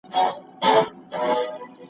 زه لوښي نه پرېولم!!